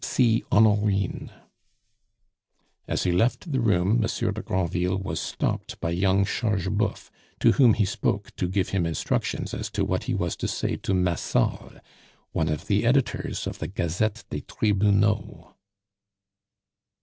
(See Honorine.) As he left the room, Monsieur de Granville was stopped by young Chargeboeuf, to whom he spoke to give him instructions as to what he was to say to Massol, one of the editors of the Gazette des Tribunaux.